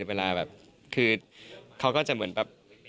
เวลาแบบคือเขาก็จะเหมือนแบบ